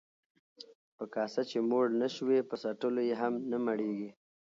ـ په کاسه چې موړ نشوې، په څټلو يې هم نه مړېږې.